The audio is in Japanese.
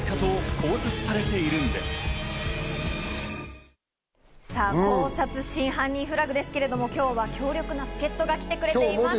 「考察！真犯人フラグ」ですけど、今日は強力な助っ人が来てくれています。